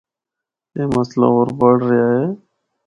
اے مسئلہ ہور بڑھ رہیا ہے۔